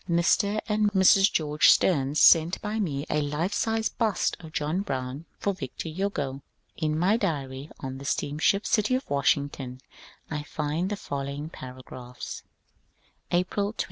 Mr. and Mrs. George Steams sent by me a life sized bust of John Brown for Victor Hugo. In my diary on the steamship City of Washington I find the following paragraphs :— April 21.